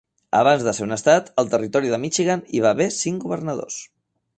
Abans de ser un estat, al Territori de Michigan hi va haver cinc governadors.